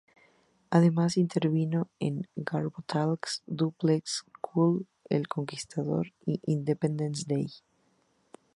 Además intervino en "Garbo Talks", "Dúplex", "Kull el Conquistador" y "Independence Day".